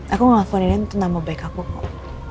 aku ngelakuin ini untuk nama baik aku kok